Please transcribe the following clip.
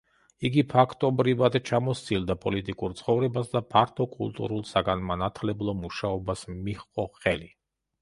იგი ფაქტობრივად ჩამოსცილდა პოლიტიკურ ცხოვრებას და ფართო კულტურულ-საგანმანათლებლო მუშაობას მიჰყო ხელი.